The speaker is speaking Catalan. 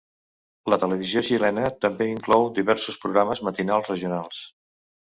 La televisió xilena també inclou diversos programes matinals regionals.